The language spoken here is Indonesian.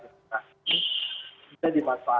yang istilahnya adalah mereka